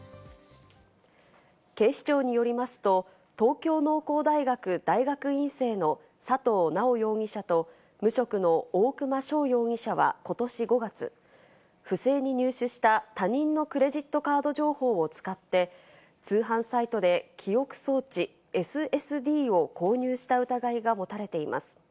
警視庁によりますと、東京農工大学大学院生の佐藤直容疑者と無職の大熊翔容疑者はことし５月、不正に入手した他人のクレジットカード情報を使って、通販サイトで記憶装置ＳＳＤを購入した疑いが持たれています。